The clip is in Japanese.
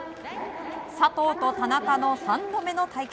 佐藤と田中の３度目の対決。